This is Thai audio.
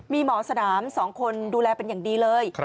มีหมอสนาม๒คนดูแลเป็นอย่างดีเลย